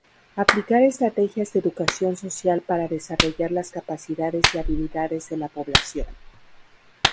Aplicar estrategias de educación social para desarrollar las capacidades y habilidades de la población.